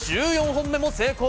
１４本目も成功。